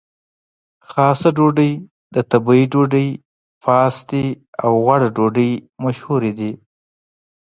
خاصه ډوډۍ، د تبۍ ډوډۍ، پاستي او غوړه ډوډۍ مشهورې دي.